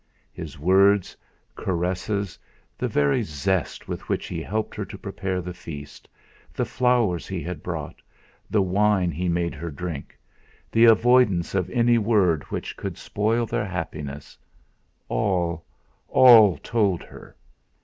His words, caresses, the very zest with which he helped her to prepare the feast, the flowers he had brought, the wine he made her drink, the avoidance of any word which could spoil their happiness, all all told her.